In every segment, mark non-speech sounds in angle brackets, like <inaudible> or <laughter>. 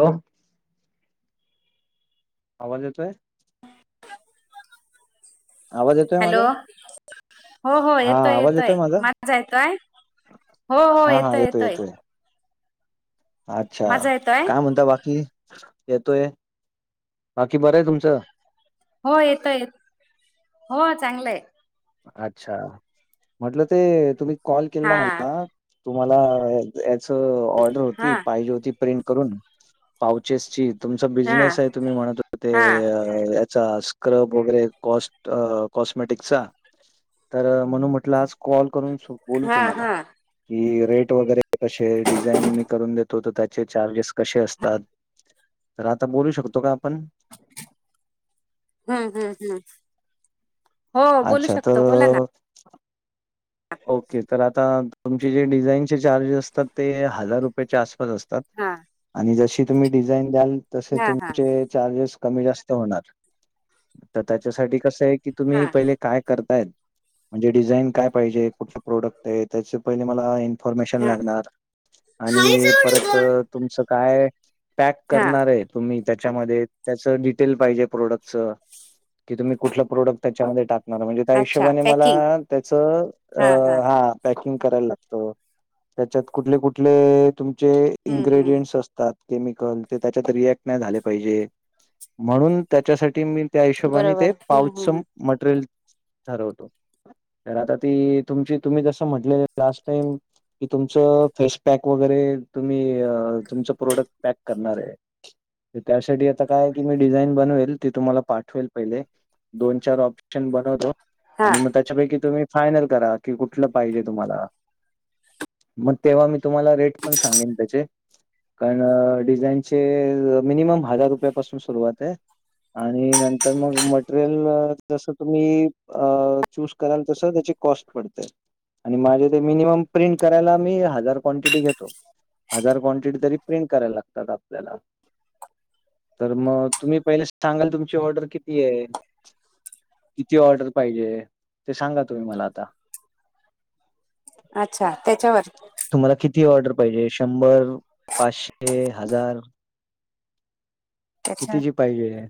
Hello आवाज येतोय. <unintelligible> आवाज येतोय हॅलो माझा हो हो हा येतोय आवाज येतोय माझा? माजा येतोय हो हो येतोय येतय. अच्छा माझा येतोय काय म्हणता बाकी येतोय बाकी बरं आहे तुमचं. हो येतंय हो चांगलं हाय. अच्छा म्हटलं ते तुम्ही कॉल केल हा ना मला तुम्हाला याच ऑर्डर हा होती पाहिजे होती प्रिंट करून पाउचेसची. तुमच हा बिझनेस आहे तुम्ही म्हणत ते हा याचा स्क्रब वगैरे कॉस्ट कॉस्मेटिकचा. तर म्हणून म्हटलं आज कॉल करून बोलू हा तुम्हाला. हा कि रेट वगैरे कसे डिझाईन मी करून देतो तर त्याचे चार्जेस कसे असतात. तर आता बोलू शकतो का आपण. हम्म हम्म हम्म हो बोलू अच्छा शकतो बोला ना तर ओके तर आता तुमचे जे डिझाईनचे चार्जेस असतात ते हजार रुपये च्या आसपास असतात हा आणि जसे तुम्ही डिझाईन द्याल असे हा हा तुमचे चार्जेस कमी जास्त होणार तर त्याच्यासाठी कस हाय की हा तुम्ही पहिले काय करताय म्हणजे डिझाईन काय पाहिजे कुठंल प्रोडक्ट हाय त्याच पहिले मला इन्फॉर्मेशन हा लागणार आणि परत तुमचं काय पॅक हा करणार हे तुम्ही त्याच्यामध्ये त्याचं डिटेल पाहिजे प्रोडक्टच. कि तुम्ही कुठलं प्रोडक्ट त्यामध्ये टाकणार म्हणजे त्या अच्छा हिशोबाने मला पॅकिंग त्याच अ हा हा हां पकिंग करायला लागत. त्याच्यात कुठले कुठले तुमचे, हम्म हम्म इन्ग्रेडियंट्स असतात. केमिकल. ते त्याच्यात रिएक्ट नाही झाले पाहिजे. म्हणून त्याच्यासाठी मी. त्या हिशोबाने, ते बरोबर हम्म पाउचच हम्म मटेरियल ठरवतो. आता ती तुमची, तुम्ही कसं म्हटले लास्ट टाईम. कि तुमचं फेश पॅक वगैरे. तुम्ही तुमच प्रोडक्ट पॅक करणारे. त्यासाठी आता काय की. मी डिझाईन बनवेल. ते तुम्हाला पाठवेल पहिले. दोन -चार ऑप्शन बनवतो. हा आणि मग त्याच्यापैकी तुम्ही फायनल करा की, कुठलं पाहिजे तुम्हाला? मग तेव्हा मी तुम्हाला रेट पण सांगेन त्याचे. कारण डिझाईन चे. मिनिमम हजार रुपयापासून सुरुवाते. आणि नंतर मग, मटेरियल जसं तुम्ही चूज कराल, तस त्याची कॉस्ट पडत. आणि माझ मिनिमम प्रिंट करायला. मी हजार क्वांटिटी घेतो. हजार क्वांटिटी तरी प्रिंट करायला लागतात. आपल्याला. तर मग तुम्ही पहिले सांगाल. तुमची ऑर्डर किती ये, किती ऑर्डर पाहिजे? ते सांगा. तुम्ही मला आता. अच्छा, त्याच्यावर. तुम्हाला किती ऑर्डर पाहिजे. शंभर, पाचशे, की हजार. त्याच्या कितीची पाहिजेत.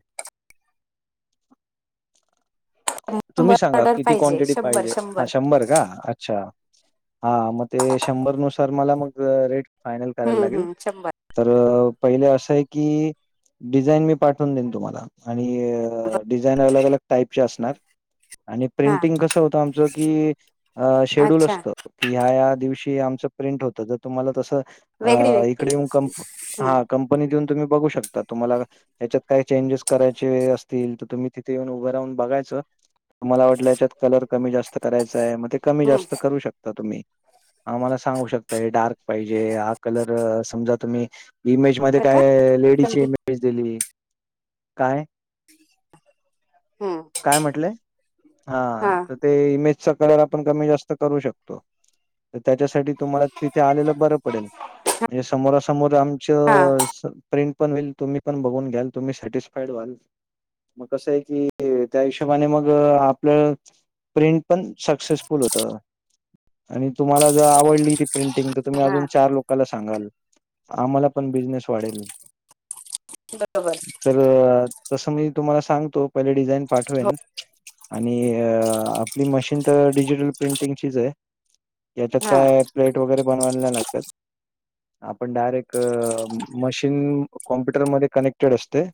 शंभर तुम्ही सांगा. ऑर्डर किती पाहिजे क्वांटिटी शंभर पाहिजे. हा शंभर का? अच्छा. हा मग ते शंभरनुसार मला मग ते. रेट फायनल करायला हम्म लागेल. हम्म शंभर तर पहिले असं आहे की. डिझाईन मी पाठवून देईन तुम्हाला. आणि डिझाईन अलग अलग टाईपचे असणार. आणि हा प्रिंटिंग कसं होतं आमचं की. शेड्यूल अच्छा असतं. की ह्या ह्या दिवशी आमचं प्रिंट होत. त तुम्हाला तस वेगळी अ वेगळी इकडे येऊन कं. हम्म हा. कंपनीत येऊन तुम्ही बघू शकता. तुम्हाला त्याच्यात काय चेंजेस करायचे असतील. तर तुम्ही तिथे येऊन. उभं राहून बघायचं. तुम्हाला वाटलं याच्यात कलर कमी जास्त करायचाये. मग ते कमी हम्म जास्त करू शकता. तुम्ही. आम्हाला सांगू शकता. हे डार्क पाहिजे. हा कलर समजा तुम्ही इमेज मध्ये बरं का काय. लेडीची पेंटिंग इमेज दिली. काय? ह. कुठल्या. हा. ते इमेजचा कलर आपण कमी जास्त करू शकतो. तर त्याच्यासाठी- तुम्हाला तिथे आलेलं बरं पडेल. म्हणजे समोरासमोर हा आमच प्रिंट पण होईल. तुम्ही पण बघून घ्याल. तुम्ही सफाईड् व्हाल. मग कसंय की. त्याने मग आपलं. प्रिंट पण सक्सेसफुल होतं. आणि तुम्हाला जर, आवडली ती प्रिंटिंग त तुम्ही हा अजून चार लोकाला सांगाल. आम्हाला पण बिझनेस वाढेल. बरोबर. तर, तसं मी तुम्हाला सांगतो. पहिले डिझाईन हो पाठवेन. आणि आपली मशीन तर डिजिटल प्रिंटिंगचीच आहे. याच्यात हा काय प्लेट वगैरे बनवायला नाही लागतात. आपण डायरेक्ट, मशीन कॉम्प्युटरमध्ये कनेक्टेड असते.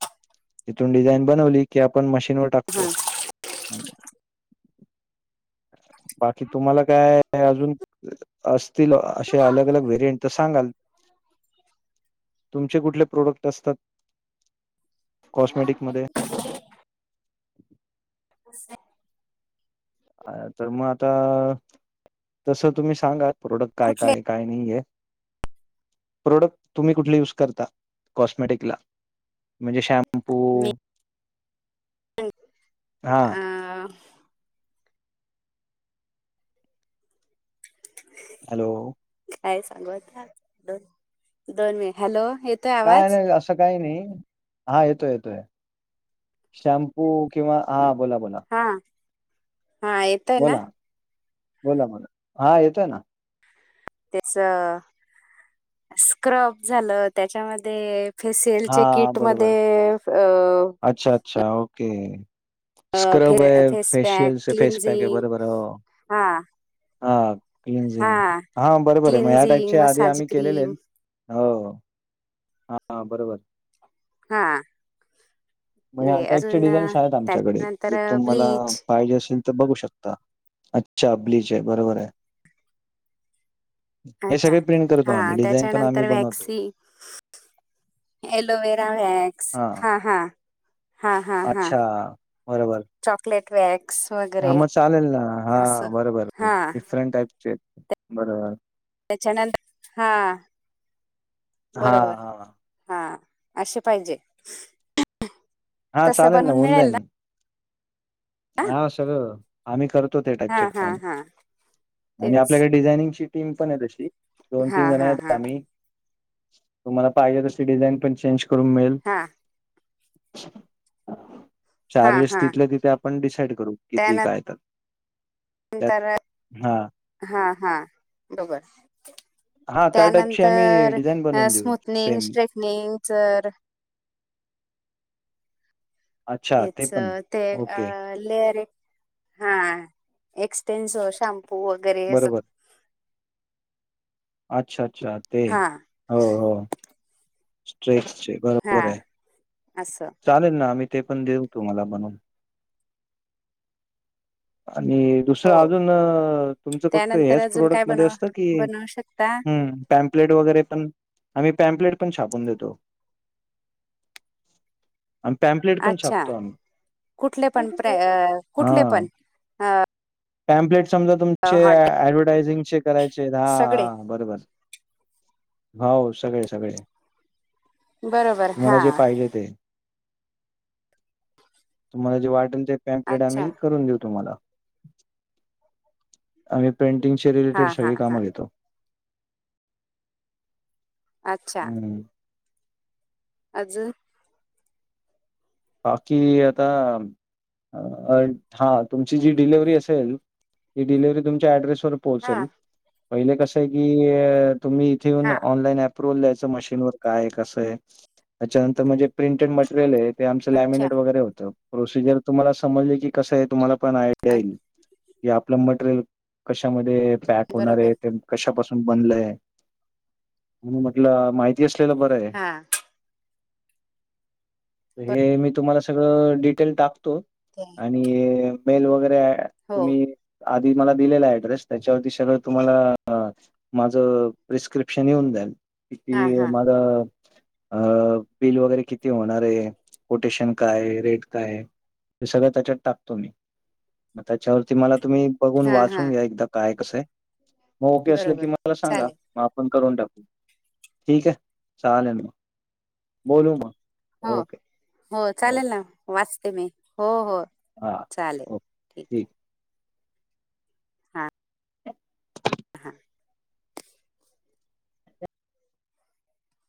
तीथून डिझाईन बनवली की, आपण मशीनवर टाक ह. ह <unintelligible> बाकी तुम्हाला काय अजून. असतील. असे अलग अलग व्हेरियंट तर सांगाल. तुमचे कुठले प्रोडक्ट असतात. कॉस्मेटिक मध्ये? <unintelligible> अ तर मग आता, तस तुम्ही सांगा. प्रोडक्ट काय कुठले काय, काय नाही आहे. प्रोडक्ट तुम्ही कुठले युज करता कॉस्मेटिकला? म्हणजे शॅम्पू अ हा आ हॅलो, काय सांगु आता, दोन म दोन मिनिट. हॅलो, हे काय नाही असं काही नाही हा येतोय येतोय शॅम्पू किंवा हा बोला बोला हा हा एक बोला, बोला बोला, हा येतोय ना. त्याच स्क्रब झालं त्याच्यामध्ये, फेशियल चे हा किट बरोबर मध्ये अच्छा अच्छा ओके अं, फे स्क्रब आहे. फेस पॅक फेशियल च फेस पॅक आहे क्लिन्झिंग बरोबर हो, हा हा हा क्लीनजिंग हा बरोबर आहे मग ह्या टाईपचे क्लिन्झिंग आधी मसाज आम्ही केलेले क्रीम आहेत. हो हो हा बरोबर, हा मग ह्या ते टाईपचे अजून अं, डिझाईन्स आहेत. आमच्याकडे, जर त्याच्यानंतर तुम्हाला ब्लीच पाहिजे असेल तर बघू शकता. अच्छा ब्लीच आहे बरोबर आहे. हे अच्छा सगळे प्रिंट करतो आम्ही. डिझाईन पण आम्ही बनवतो. हे एलोवेरा व्हय हां. हा हा हा हा हा अच्छा. चॉकलेट वॅक्स हा वगैरे मग चालेल ना, हा असं बरोबर, हा डिफरंट टाईपचे बरोबर. त्याच्यानंतर हा बरोबर, हां, हां. हा असे पाहिजे. हा तसं चालेल ना बनवून होऊन जाईल मिळेल ना. ना हा सगळं, आम्ही करतो त्या हा टाईपचे हा काम, हा आणि तेच आपल्याकडे डिझायनिंगची टीम पण आहे. तशी दोन हा तीन जण हा आहेत. हा आम्ही, तुम्हाला पाहिजे तशी डिझाइन पण चेंज करून मिळेल. हां हा चार एस हा तिथले तिथं आपण डिसाइड करू, किती काय काय तर त्यात नंतर, हां. हा हा बरोबर. हां, त्या टाईपची आम्ही त्यानंतर डिझाईन बनवून देऊ स्मूथनिंग, सेम. स्ट्रेटनिंग च अच्छा ते तेच पण ते आहे. ओके अं लेअर हे हा एक्सटेनस, शॅम्पू वगैरे असं बरोबर. अच्छा अच्छा ते हा हो हो स्ट्रेट चे हा अस चालेल ना. आम्ही ते पण देऊ तुम्हाला बनव आणि हो दुसरं अजून तुमचं फक्त त्यानंतर ह्याच अजून काय प्रोडक्टमध्ये बनव असतं की, बनवू शकता हम पॅम्प्लेट वगैरे पण आम्ही पॅम्पलेट पण छापून देतो. <inaudible> आणि पॅम्पलेट पण अच्छा छापतो. कुठले पण प्र आम्ही अ, कुठले हा, पण पॅम्पलेट समजा तुमचे हॉटे ऍडव्हरटायझिंगचे करायचे. सगळे हा बरोबर हाव सगळे सगळे बरोबर तुम्हाला हा जे पाहिजे ते. तुम्हाला जे वाटेल ते पॅम्पलेट अच्छा आम्ही करून देऊ तुम्हाला. आम्ही प्रिंटिंगच्या हा रिलेटेड हा सगळी हा कामं घेतो. अच्छा. हं. अजून? बाकी आता? हा तुमची जी डिलेव्हरी असेल, ती डिलेव्हरी तुमच्या ऍड्रेसवर हा पोहचेल पहिले कसंय की तुम्ही इथे हा ऑनलाईन ॲप प्रोन द्यायचं मशीनवर काय कसं आहे, त्याच्यानंतर म्हणजे प्रिंटेड मटेरियल आहे. ते आमचं अच्छा लॅमिनेट वगैरे होतं, प्रोसिजर तुम्हाला समजले की कसं आहे तुम्हाला पण आयडिया अ- येईल. की आपलं मटेरियल कशामध्ये पॅक होणार आहे बरोबर ते कशापासून बनलंय? म्हणून म्हटलं माहिती असलेलं बरं आहे. हां. बर हे मी तुम्हाला सगळं डिटेल टाकतो. <unintelligible> आणि मेल वगैरे हो तुम्ही आधी मला दिलेला ऍड्रेस त्याच्यावरती सगळं तुम्हाला माझं प्रिस्क्रिप्शन येऊन जाईल. हा किती हा माझ अ बिल वगैरे किती होणार आहे? कोटेशन काय, रेट काय आहे? हे सगळं त्याच्यात टाकतो मी. मग त्याच्यावरती मला तुम्ही बघून हा हा वाचून घ्या एकदा काय कसं आहे,. मग ओके असले की बरोबर मला सांगा चालेल मग आ पण करून टाकू, ठीक आहे, चालेल मग बोलू मग हो ओके. हो चालेल ओके ना, वाचते मी हो हो. हां, ओके, ठीक आहे. हा